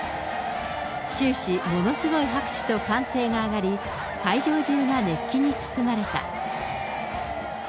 終始、ものすごい拍手と歓声が上がり、会場中が熱気に包まれた。